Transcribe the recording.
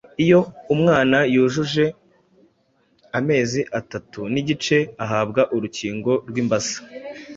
Iyo umwana yujuje amezi atatu n’igice ahabwa urukingo rw’imbasa,